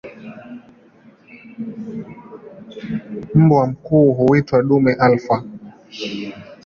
Mbwa mkuu huitwa "dume alfa".